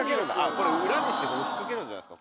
これ裏にして引っ掛けるんじゃないですか。